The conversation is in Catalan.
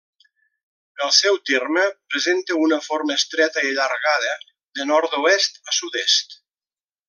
El seu terme presenta una forma estreta i allargada de nord-oest a sud-est.